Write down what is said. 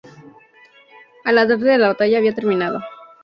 A la tarde la batalla había terminado.